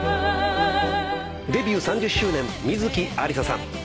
デビュー３０周年観月ありささん。